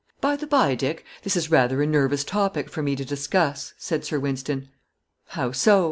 "By the by, Dick, this is rather a nervous topic for me to discuss," said Sir Wynston. "How so?"